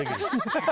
ハハハ！